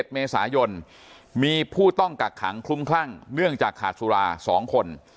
๑เมษายนมีผู้ต้องกักขังคลุ้มคลั่งเนื่องจากขาดสุรา๒คน